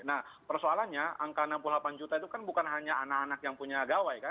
nah persoalannya angka enam puluh delapan juta itu kan bukan hanya anak anak yang punya gawai kan